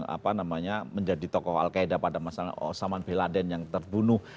apa namanya menjadi tokoh al qaeda pada masalah osama bin laden yang terbunuh